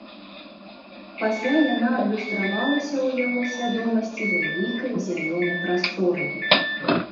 Пасля яна адлюстравалася ў яго свядомасці вялікай зялёнай прасторай.